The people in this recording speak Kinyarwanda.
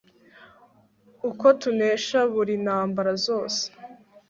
uko tunesha buri ntambara zose